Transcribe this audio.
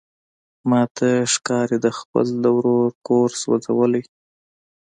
ماته ښکاري ده خپله د ورور کور سوزولی.